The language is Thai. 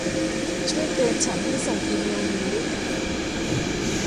ช่วยเตือนฉันให้ส่งอีเมลล์นึงด้วยนะ